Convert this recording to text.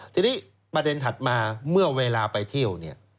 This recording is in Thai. ทีนี้ประเด็นถัดมาเมื่อเวลาไปเที่ยวเนี่ย